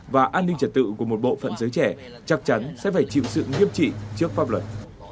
và an ninh trật tự của một bộ phận giới trẻ chắc chắn sẽ phải chịu sự nghiêm trị trước pháp luật